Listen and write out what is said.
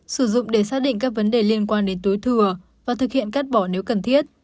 sử dụng để xác định các vấn đề liên quan đến tối thừa và thực hiện cắt bỏ nếu cần thiết